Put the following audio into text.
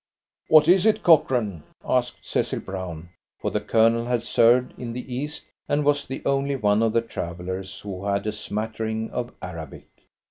"What is it, Cochrane?" asked Cecil Brown for the Colonel had served in the East, and was the only one of the travellers who had a smattering of Arabic.